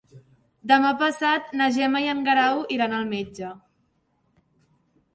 Demà passat na Gemma i en Guerau iran al metge.